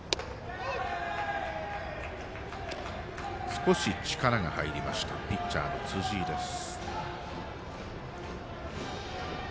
少し力が入りましたピッチャーの辻井です。